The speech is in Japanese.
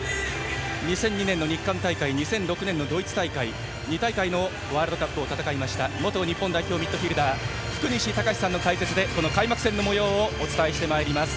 ２００２年の日韓大会２００６年のドイツ大会２大会のワールドカップを戦いました元日本代表ミッドフィールダー福西崇史さんの解説でこの開幕戦のもようをお伝えしてまいります。